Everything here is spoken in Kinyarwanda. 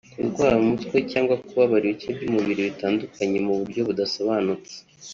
kurwara umutwe cyangwa kubabara ibice by’umubiri bitandukanye mu buryo budasobanutse